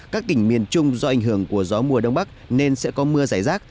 các tỉnh miền trung do ảnh hưởng của gió mùa đông bắc nên sẽ có mưa giải rác